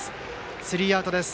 スリーアウトです。